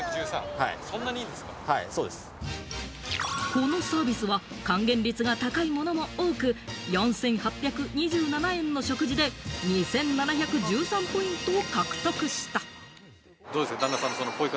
このサービスは還元率が高いものも多く、４８２７円の食事で２７１３ポイントを獲得した。